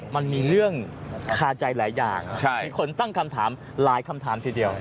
มันมีเรื่องคาใจหลายอย่างมีคนตั้งคำถามหลายคำถามทีเดียว